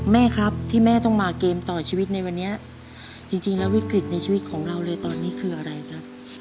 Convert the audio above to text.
แม่ครับที่แม่ต้องมาเกมต่อชีวิตในวันนี้จริงแล้ววิกฤตในชีวิตของเราเลยตอนนี้คืออะไรครับ